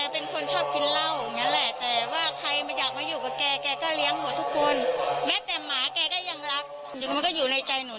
ผมก็รักเขาอยู่แต่แล้วมันห่างเหินกัน